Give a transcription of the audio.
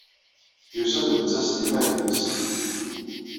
Yusa-d netta s timmad-nnes.